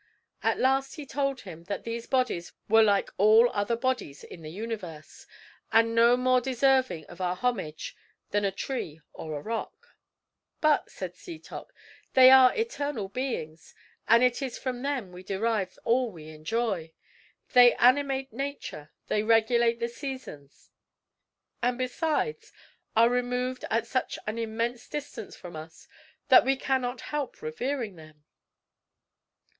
At last he told him that these bodies were like all other bodies in the universe, and no more deserving of our homage than a tree or a rock. "But," said Setoc, "they are eternal beings; and it is from them we derive all we enjoy. They animate nature; they regulate the seasons; and, besides, are removed at such an immense distance from us that we cannot help revering them."